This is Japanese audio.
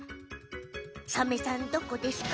サメさんどこですか？